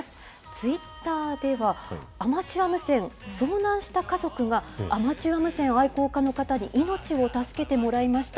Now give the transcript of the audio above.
ツイッターでは、アマチュア無線、遭難した家族が、アマチュア無線愛好家の方に命を助けてもらいました。